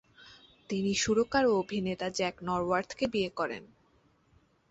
তিনি সুরকার ও অভিনেতা জ্যাক নরওয়ার্থকে বিয়ে করেন।